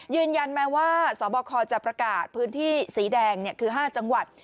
ยืนยันแม้ว่าสบคจะประกาศพื้นที่สีแดงคือ๕จังหวัด